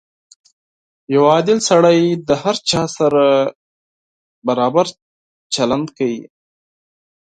• یو عادل سړی د هر چا سره مساوي چلند کوي.